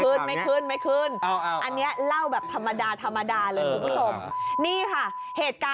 พี่ชายของขุนแผนคนนี้นั่งเป็นคนกลางในการเจรจา